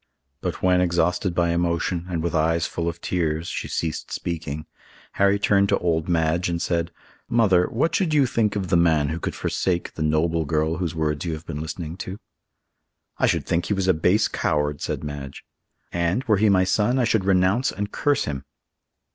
But when, exhausted by emotion, and with eyes full of tears, she ceased speaking, Harry turned to old Madge and said, "Mother, what should you think of the man who could forsake the noble girl whose words you have been listening to?" "I should think he was a base coward," said Madge, "and, were he my son, I should renounce and curse him."